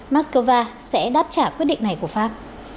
moscow sẽ đáp trả quyết định này của pháp